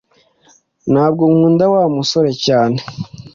Ntabwo nkunda Wa musore cyane